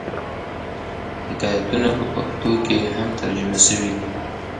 حکایتونه په پښتو کښي هم ترجمه سوي دي.